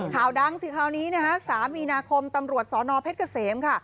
ข่าวดังสิคราวนี้นะฮะ๓มีนาคมตำรวจสนเพชรเกษมค่ะ